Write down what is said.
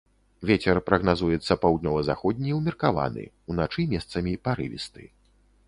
Вецер прагназуецца паўднёва-заходні ўмеркаваны, уначы месцамі парывісты.